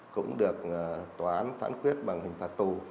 cũng được tòa án phản quyết bằng hình phạt tù